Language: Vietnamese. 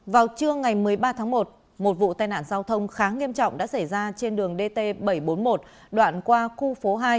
vào trưa ngày một mươi ba tháng một một vụ tai nạn giao thông khá nghiêm trọng đã xảy ra trên đường dt bảy trăm bốn mươi một đoạn qua khu phố hai